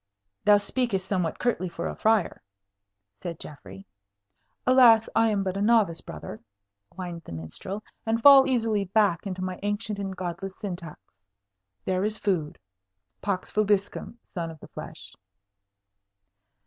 "Thou speakest somewhat curtly for a friar," said Geoffrey. "Alas, I am but a novice, brother," whined the minstrel, "and fall easily back into my ancient and godless syntax. There is food. Pax vobiscum, son of the flesh."